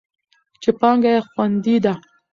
چې پانګه یې خوندي ده.